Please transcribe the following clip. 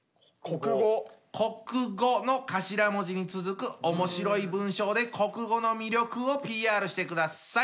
こくごの頭文字に続くおもしろい文章でこくごの魅力をＰＲしてください。